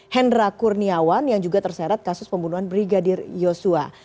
hendra kurniawan yang juga terseret kasus pembunuhan brigadir yosua